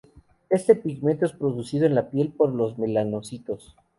Este pigmento es producido en la piel por los melanocitos.